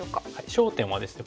焦点はですね